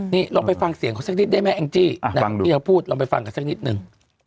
นี่ลองไปฟังเสียงเขาสักนิดได้ไหมแองจี้ที่เราพูดลองไปฟังกันสักนิดนึง